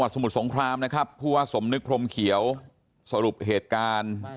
สมุทรสงครามนะครับผู้ว่าสมนึกพรมเขียวสรุปเหตุการณ์